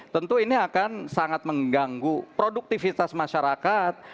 tentu ini akan sangat mengganggu produktivitas masyarakat